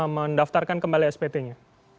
mendaftarkan kembali spt nya